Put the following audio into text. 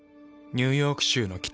ニューヨーク州の北。